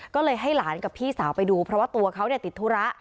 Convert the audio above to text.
ก็เลยให้หลานกับพี่สาวไปดูเพราะว่าตัวเขาติดธุระ